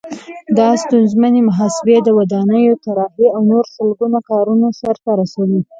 دا ستونزمنې محاسبې، د ودانیو طراحي او نور سلګونه کارونه سرته رسوي.